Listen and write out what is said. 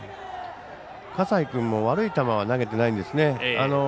葛西君も悪い球は投げてないですね。